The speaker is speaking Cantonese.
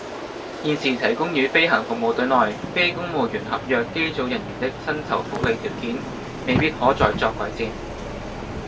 現時提供予飛行服務隊內非公務員合約機組人員的薪酬福利條件，未必可再作改善